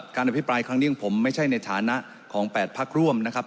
อภิปรายครั้งนี้ผมไม่ใช่ในฐานะของ๘พักร่วมนะครับ